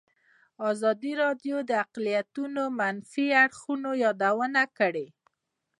ازادي راډیو د اقلیتونه د منفي اړخونو یادونه کړې.